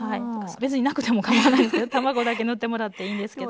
別になくてもかまわないんですけど卵だけ塗ってもらっていいんですけど。